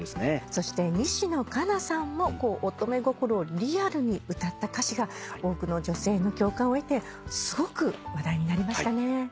そして西野カナさんも乙女心をリアルに歌った歌詞が多くの女性の共感を得てすごく話題になりましたね。